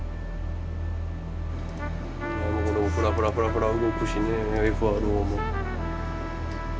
フラフラフラフラ動くしねＦ．Ｒ．Ｏも。